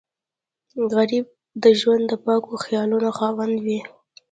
غریب د ژوند د پاکو خیالونو خاوند وي